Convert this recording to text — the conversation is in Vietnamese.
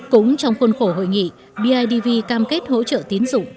cũng trong khuôn khổ hội nghị bidv cam kết hỗ trợ tín dụng